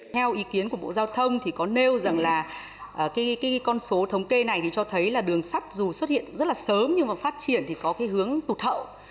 theo ý kiến của bộ giao thông thì có nêu rằng là cái con số thống kê này thì cho thấy là đường sắt dù xuất hiện rất là sớm nhưng mà phát triển thì có cái hướng tụt hậu